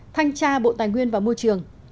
thanh tra bộ tài nguyên và môi trường